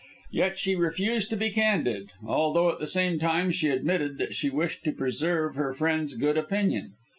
Yet she refused to be candid, although at the same time she admitted that she wished to preserve her friend's good opinion.